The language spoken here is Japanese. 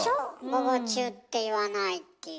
「午後中」って言わないっていう。